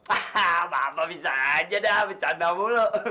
apa apa bisa aja dah bercanda mulu